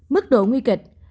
mức độ nguy kịch